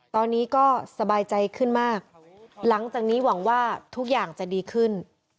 ตอนนี้ก็สบายใจขึ้นมากหลังจากนี้หวังว่าทุกอย่างจะดีขึ้น